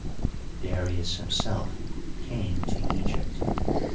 Darius himself came to Egypt.